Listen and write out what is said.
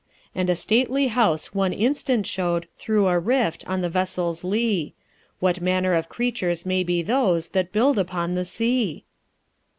"'And a stately house one instant showed, Through a rift, on the vessel's lea; What manner of creatures may be those That build upon the sea?'"